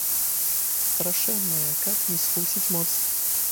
Страшэнная, каб не схлусіць, моц!